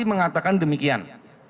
ahli mengatakan demikian